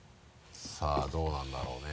さぁどうなんだろうね？